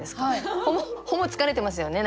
ほぼ疲れてますよね。